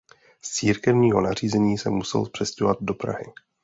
Z církevního nařízení se musel přestěhovat do Prahy.